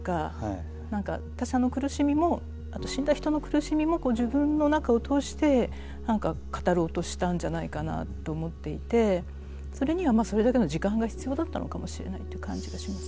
何か他者の苦しみもあと死んだ人の苦しみも自分の中を通して語ろうとしたんじゃないかなと思っていてそれにはそれだけの時間が必要だったのかもしれないっていう感じがします。